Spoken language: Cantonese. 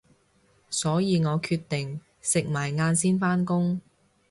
所以我決定食埋晏先返工